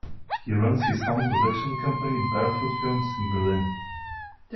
He runs his own production company, Barefoot Films, in Berlin.